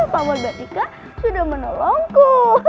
paman badrika sudah menolongku